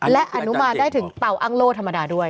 และอนุมานได้ถึงเตาอ้างโล่ธรรมดาด้วย